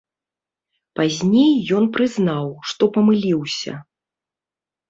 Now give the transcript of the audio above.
Пазней ён прызнаў, што памыліўся.